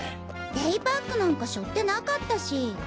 デイパックなんかしょってなかったし。